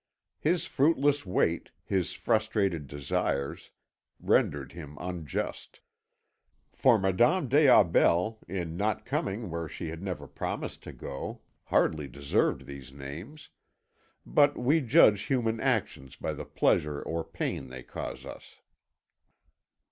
His fruitless wait, his frustrated desires, rendered him unjust. For Madame des Aubels in not coming where she had never promised to go hardly deserved these names; but we judge human actions by the pleasure or pain they cause us.